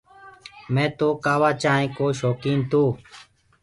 مي تو ڪآوآ چآنه ڪو شوڪين تو